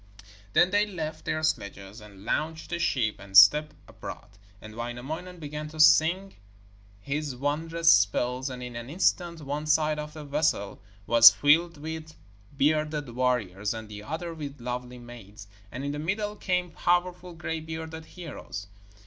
Then they left their sledges and launched the ship and stepped aboard. And Wainamoinen began to sing his wondrous spells, and in an instant one side of the vessel was filled with bearded warriors, and the other with lovely maids, and in the middle came powerful gray bearded heroes.